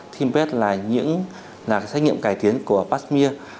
tinpet là những xét nghiệm cải tiến của pasmir